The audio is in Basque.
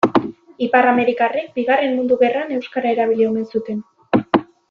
Ipar-amerikarrek Bigarren Mundu Gerran euskara erabili omen zuten.